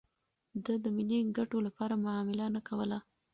ده د ملي ګټو لپاره معامله نه کوله.